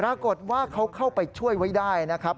ปรากฏว่าเขาเข้าไปช่วยไว้ได้นะครับ